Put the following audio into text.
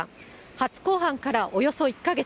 初公判からおよそ１か月。